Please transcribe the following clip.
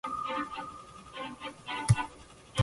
In effect, most of the editor is made of macros.